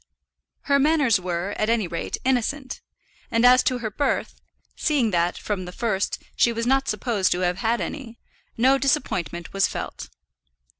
Her manners were, at any rate, innocent; and as to her birth, seeing that, from the first, she was not supposed to have had any, no disappointment was felt.